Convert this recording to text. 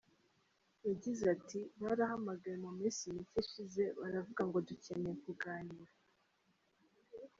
Yagize ati "Barahamagaye mu minsi mike ishize baravuga ngo dukeneye kuganira.